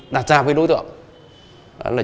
đã ra với đối tượng này là